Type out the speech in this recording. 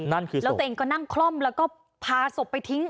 แล้วตัวเองก็นั่งคล่อมแล้วก็พาศพไปทิ้ง